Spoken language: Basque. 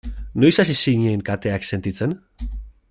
Noiz hasi zinen kateak sentitzen?